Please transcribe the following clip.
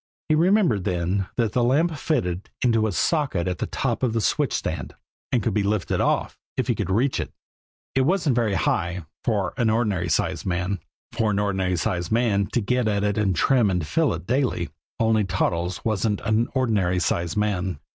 He remembered then that the lamp fitted into a socket at the top of the switch stand, and could be lifted off if he could reach it! It wasn't very high for an ordinary sized man for an ordinary sized man had to get at it to trim and fill it daily only Toddles wasn't an ordinary sized man.